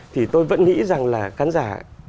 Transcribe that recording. thì tôi vẫn nghĩ rằng là khán giả